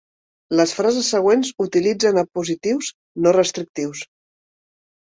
Les frases següents utilitzen apositius no restrictius.